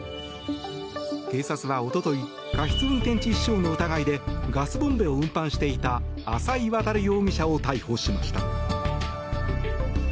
警察は一昨日過失運転致死傷の疑いでガスボンベを運搬していた浅井渉容疑者を逮捕しました。